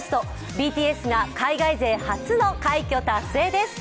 ＢＴＳが海外勢初の快挙達成です。